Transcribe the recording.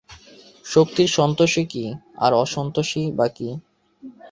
শক্তির সন্তোষই কী, আর অসন্তোষই বা কী?